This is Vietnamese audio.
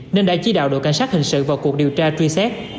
nên đã chỉ đạo đội cảnh sát hình sự vào cuộc điều tra truy xét